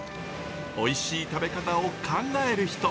おいしい食べ方を考える人。